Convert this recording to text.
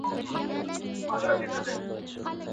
یوه ورځ به په سینه کي د مرګي واری پر وکړي.